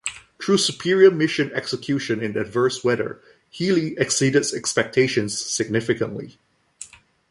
Through superior mission execution in adverse weather, "Healy" exceeded expectations significantly.